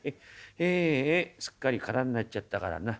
へえすっかり空になっちゃったからな。